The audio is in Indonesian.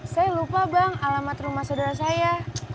saya lupa bang alamat rumah saudara saya